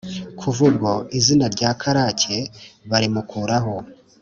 kuva ubwo izina rya karake barimukuraho,